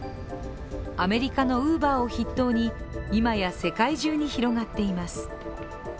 アメリカのＵｂｅｒを筆頭に、今や世界中に広がっています。